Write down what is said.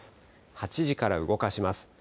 ８時から動かします。